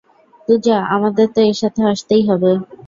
পূজা, আমাদের তো একসাথে আসতেই হবে।